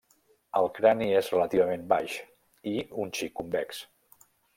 El crani és relativament baix i un xic convex.